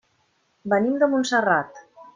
Venim de Montserrat.